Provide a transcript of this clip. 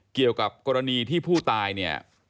เกี่ยวกับกรณีที่ผู้ตายเนี่ย